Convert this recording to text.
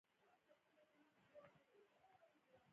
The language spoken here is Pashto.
هغه څوک چې تاسو په ژوند کې یې سخت حالات جوړ کړل.